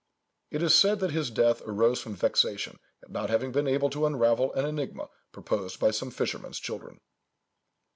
It is said that his death arose from vexation, at not having been able to unravel an enigma proposed by some fishermen's children.